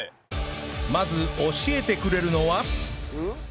まず教えてくれるのは